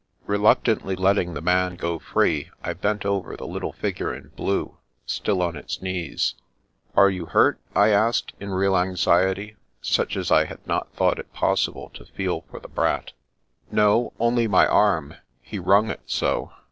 Reluctantly letting the man go free, I bent over the little figure in blue, still on its knees. " Are you hurt? " I asked in real anxiety, such as I had not thought it possible to feel for the Brat. " No— only my arm. He wrung it so.